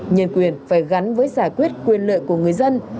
nhân quyền phải gắn với giải quyết quyền lợi của người dân